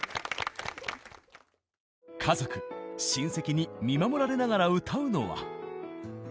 家族親戚に見守られながら歌うのは。